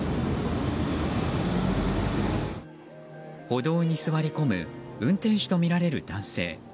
歩道に座り込む運転手とみられる男性。